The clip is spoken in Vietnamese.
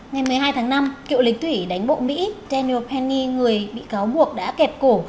ngày một mươi hai tháng năm cựu lịch thủy đánh bộ mỹ daniel penney người bị cáo buộc đã kẹp cổ